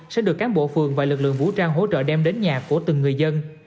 sẽ được cán bộ phường và lực lượng vũ trang hỗ trợ đem đến nhà của từng người dân